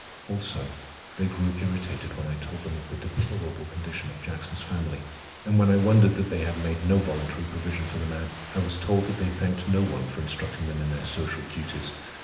Also, they grew irritated when I told them of the deplorable condition of Jackson's family, and when I wondered that they had made no voluntary provision for the man. I was told that they thanked no one for instructing them in their social duties.